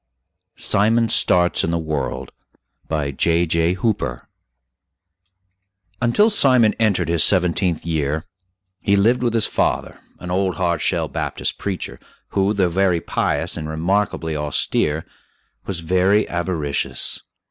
SIMON STARTS IN THE WORLD BY J.J. HOOPER Until Simon entered his seventeenth year he lived with his father, an old "hard shell" Baptist preacher, who, though very pious and remarkably austere, was very avaricious.